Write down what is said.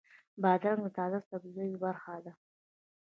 بادرنګ د تازه سبزیو برخه ده.